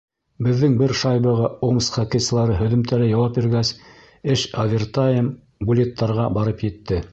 Беҙҙең бер шайбаға Омск хоккейсылары һөҙөмтәле яуап биргәс, эш овертайм, буллиттарға барып етте.